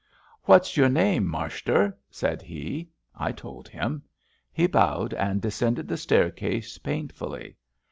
What's your name, marshter! '' said he. I told him. He bowed and descended the staircase painfully.